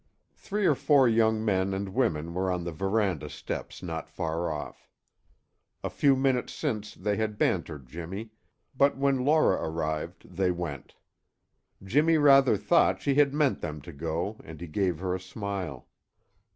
Three or four young men and women were on the veranda steps not far off. A few minutes since they had bantered Jimmy, but when Laura arrived they went. Jimmy rather thought she had meant them to go and he gave her a smile.